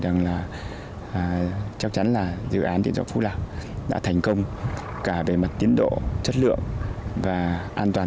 rằng là chắc chắn là dự án điện gió phú lạc đã thành công cả về mặt tiến độ chất lượng và an toàn